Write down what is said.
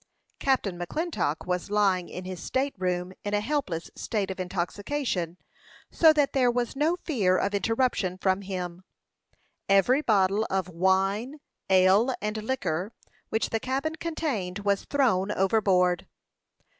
Captain McClintock was lying in his state room, in a helpless state of intoxication, so that there was no fear of interruption from him. Every bottle of wine, ale, and liquor which the cabin contained was thrown overboard.